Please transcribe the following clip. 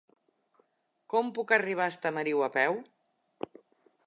Com puc arribar a Estamariu a peu?